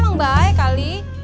dia mau baik kali